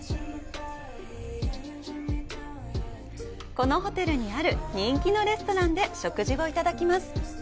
このホテルにある人気のレストランで食事をいただきます。